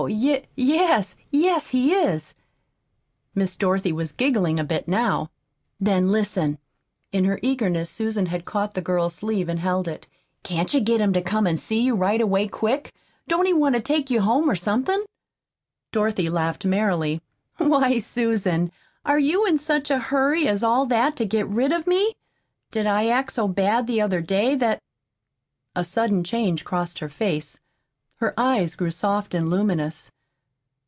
Y yes yes, he is." Miss Dorothy was giggling a bit now. "Then, listen!" In her eagerness Susan had caught the girl's sleeve and held it. "Can't you get him to come on an' see you, right away, quick? Don't he want to take you home, or or something?" Dorothy laughed merrily. "Why, Susan, are you in such a hurry as all that to get rid of me? Did I act so bad the other day that " A sudden change crossed her face. Her eyes grew soft and luminous.